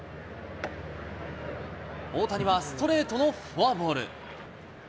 大谷はストレートのフォアボール。